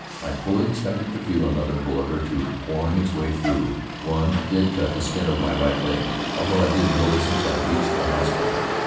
I fully expected to feel another bullet or two boring its way through. One did cut the skin of my right leg, although I didn't know this until I reached the hospital.